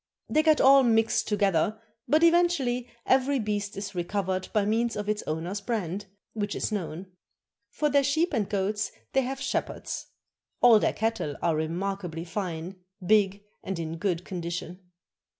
They get all mixed together, but eventually every beast is recovered by means of its owner's brand, which is known. For their sheep and goats they have shepherds. All their cattle are remarkably fine, big, and in good condition.